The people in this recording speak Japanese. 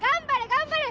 頑張れ！